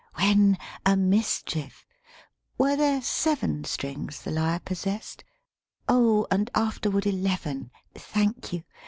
VI When, a mischief! Were they seven Strings the lyre possessed? Oh, and afterward eleven, Thank you!